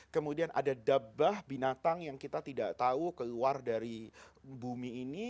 kemudian ada dabah binatang yang kita tidak tahu keluar dari bumi ini